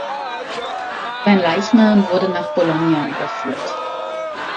Sein Leichnam wurde nach Bologna überführt.